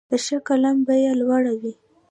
د ښه قلم بیه لوړه وي.